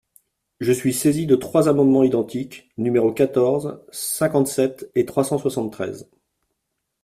Je suis saisie de trois amendements identiques, numéros quatorze, cinquante-sept et trois cent soixante-treize.